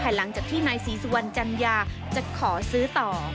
หลังจากที่นายศรีสุวรรณจัญญาจะขอซื้อต่อ